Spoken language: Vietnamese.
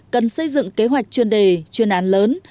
cần xây dựng kế hoạch chuyên đề chuyên án lớn